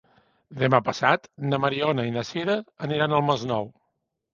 Demà passat na Mariona i na Sira aniran al Masnou.